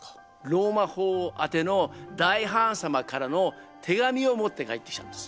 ローマ法王あての大ハーン様からの手紙を持って帰ってきたんです。